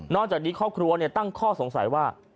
จากนี้ครอบครัวตั้งข้อสงสัยว่า